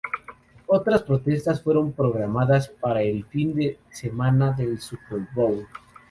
Otras protestas fueron programadas para el fin de semana del Super Bowl.